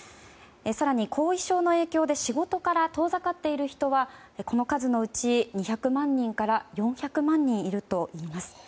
更に後遺症の影響で仕事から遠ざかっている人はこの数のうち、２００万人から４００万人いるといいます。